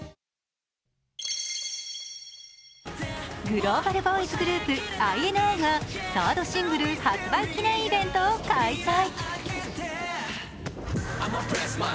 グローバルボーイズグループ、ＩＮＩがサードシングル発売記念イベントを開催。